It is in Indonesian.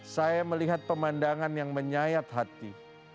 saya melihat pemandangan yang menyayat hati